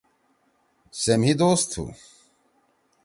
سے مھی دوست تُھو۔